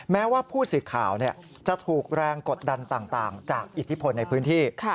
แม้ว่าผู้สื่อข่าวจะถูกแรงกดดันต่างจากอิทธิพลในพื้นที่